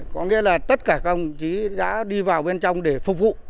có nghĩa là tất cả các ông chí đã đi vào bên trong để phục vụ